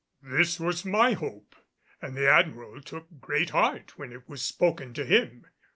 This was my hope, and the Admiral took great heart when it was spoken to him.